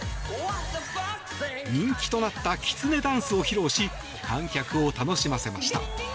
人気となったキツネダンスを披露し観客を楽しませました。